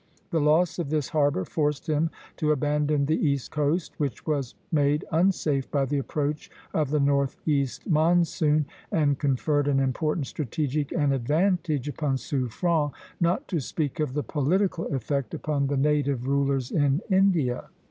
The loss of this harbor forced him to abandon the east coast, which was made unsafe by the approach of the northeast monsoon, and conferred an important strategic advantage upon Suffren, not to speak of the political effect upon the native rulers in India.